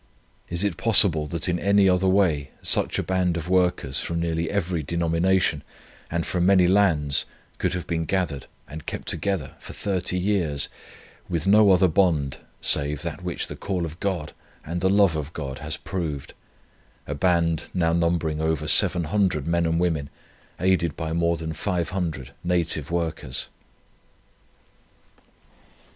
Is it possible that in any other way such a band of workers from nearly every denomination, and from many lands, could have been gathered and kept together for thirty years with no other bond save that which the call of GOD and the love of GOD has proved a band now numbering over seven hundred men and women, aided by more than five hundred native workers."